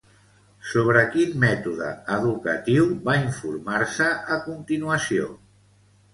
Sobre quin mètode educatiu va informar-se a continuació?